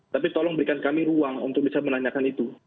tapi tolong berikan kami ruang untuk bisa menanyakan itu